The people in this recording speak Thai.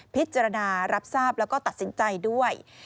พิจารณารับทราบแล้วก็ตัดสินใจด้วย